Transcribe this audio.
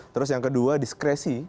terus yang kedua diskresi